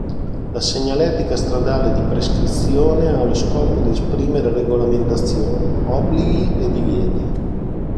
La segnaletica stradale di prescrizione ha lo scopo di esprimere regolamentazioni, obblighi e divieti.